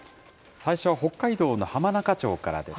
最初は北海道の浜中町からです。